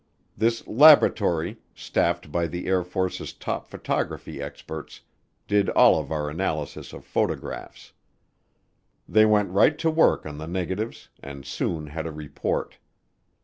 This laboratory, staffed by the Air Force's top photography experts, did all of our analysis of photographs. They went right to work on the negatives and soon had a report.